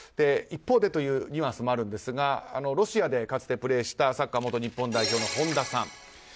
一方でというニュアンスもあるんですがロシアでかつてプレーしたサッカー元日本代表の本田さん。